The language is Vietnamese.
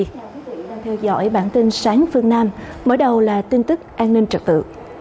xin chào quý vị đang theo dõi bản tin sáng phương nam mở đầu là tin tức an ninh trật tự